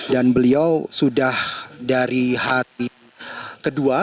dan beliau sudah dari hari kedua